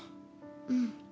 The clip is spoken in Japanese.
うん。